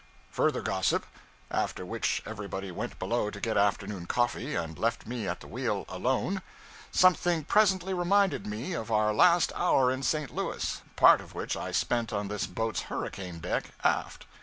Further gossip; after which, everybody went below to get afternoon coffee, and left me at the wheel, alone, Something presently reminded me of our last hour in St. Louis, part of which I spent on this boat's hurricane deck, aft.